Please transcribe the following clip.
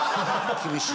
厳しい。